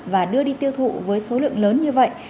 và đưa đi tiêu thụ với số lượng lớn như vậy